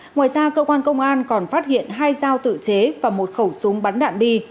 ngoài ra cơ quan công an còn phát hiện hai dao tự chế và một khẩu súng bắn đạn bi